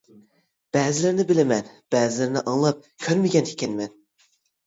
بەزىلىرىنى بىلىمەن، بەزىلىرىنى ئاڭلاپ كۆرمىگەن ئىكەنمەن.